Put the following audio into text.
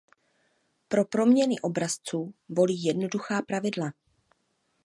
Pro proměny obrazců volí jednoduchá pravidla.